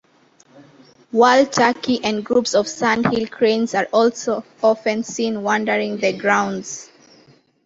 Wild turkey and groups of sandhill cranes are also often seen wandering the grounds.